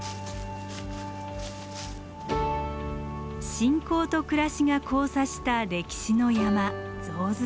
信仰と暮らしが交差した歴史の山象頭山。